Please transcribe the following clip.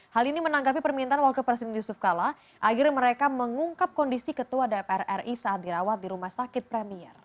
hal ini menanggapi permintaan wakil presiden yusuf kala agar mereka mengungkap kondisi ketua dpr ri saat dirawat di rumah sakit premier